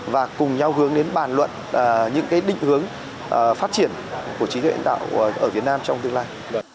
và cùng nhau hướng đến bàn luận những định hướng phát triển của trí tuệ nhân tạo ở việt nam trong tương lai